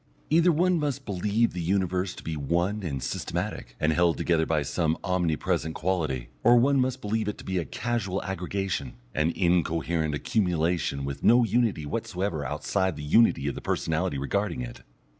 Either one must believe the Universe to be one and systematic, and held together by some omnipresent quality, or one must believe it to be a casual aggregation, an incoherent accumulation with no unity whatsoever outside the unity of the personality regarding it.